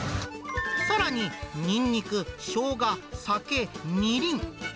さらににんにく、しょうが、酒、みりん。